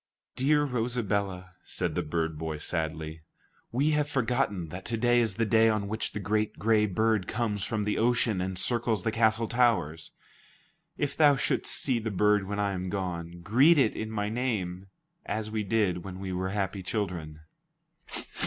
"Dear Rosabella," said the bird boy sadly, "we have forgotten that to day is the day on which the great gray bird comes from the ocean and circles the castle towers. If thou shouldst see the bird when I am gone, greet it in my name, as we did when we were happy children."